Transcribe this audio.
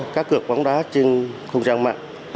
cá cược bóng đá trên không gian mạng